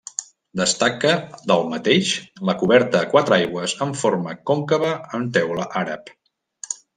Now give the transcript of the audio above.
Destaca del mateix la coberta a quatre aigües en forma còncava amb teula àrab.